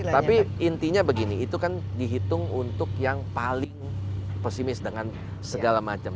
tapi intinya begini itu kan dihitung untuk yang paling pesimis dengan segala macam